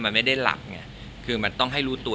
มันไม่ได้หลับไงคือมันต้องให้รู้ตัว